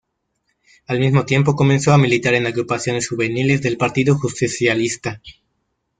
Al mismo tiempo comenzó a militar en agrupaciones juveniles del Partido Justicialista.